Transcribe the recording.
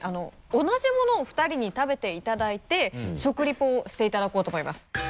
同じ物を２人に食べていただいて食リポをしていただこうと思います。